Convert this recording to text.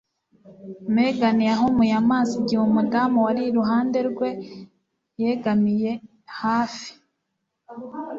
Megan yahumuye amaso igihe umudamu wari iruhande rwe yegamiye hafi.